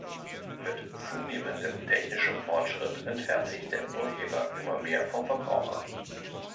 Mit zunehmendem technischem Fortschritt entfernt sich der Urheber immer mehr vom Verbraucher.